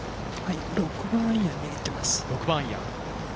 ６番アイアンを握っています。